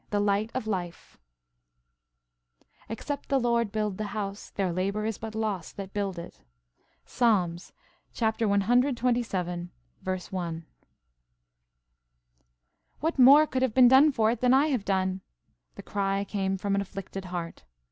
THE LIGHT OF LIFE "Except the Lord build the house, their labour is but lost that build it."–PSALM cxxvii. I. "WHAT more could have been done for it than I have done!" The cry came from an afflicted heart.